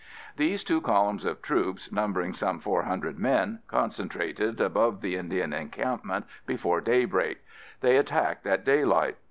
These two columns of troops, numbering some 400 men, concentrated above the Indian encampment before daybreak. They attacked at daylight.